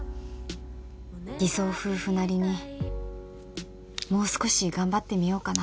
偽装夫婦なりにもう少し頑張ってみようかな